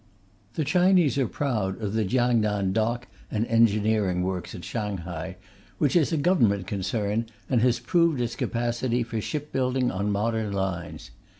The Chinese are proud of the Kiangnan dock and engineering works at Shanghai, which is a Government concern, and has proved its capacity for shipbuilding on modern lines.